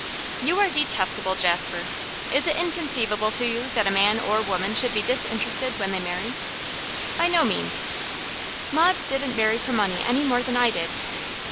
'You are detestable, Jasper! Is it inconceivable to you that a man or woman should be disinterested when they marry?' 'By no means.' 'Maud didn't marry for money any more than I did.